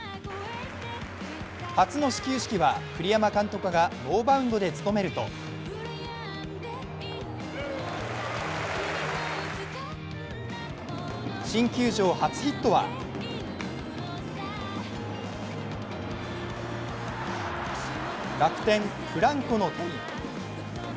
初の始球式は栗山監督がノーバウンドで務めると新球場初ヒットは楽天・フランコの手に。